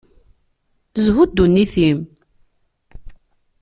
Zhu dunnit-im.